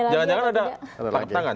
jangan jangan ada tangkap tangan